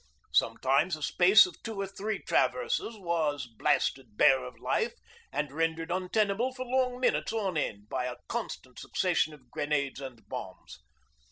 Sometimes a space of two or three traverses was blasted bare of life and rendered untenable for long minutes on end by a constant succession of grenades and bombs.